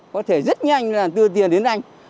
có thể rất nhanh là tư tiền đến anh